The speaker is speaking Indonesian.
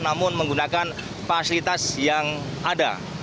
namun menggunakan fasilitas yang ada